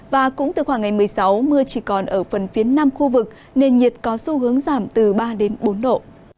và cũng từ khoảng ngày một mươi sáu mưa chỉ còn ở phần phía nam khu vực nền nhiệt có xu hướng giảm từ ba đến bốn độ